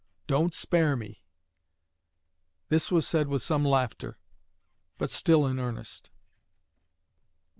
Don't spare me!' This was said with some laughter, but still in earnest."